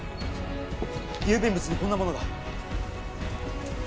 郵便物にこんなものが。